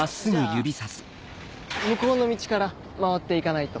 じゃあ向こうの道から回って行かないと。